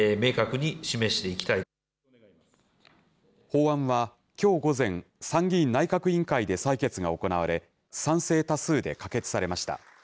法案は、きょう午前、参議院内閣委員会で採決が行われ、賛成多数で可決されました。